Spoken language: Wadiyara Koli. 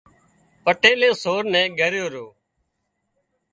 پٽيلئي سور نين ڳريو رو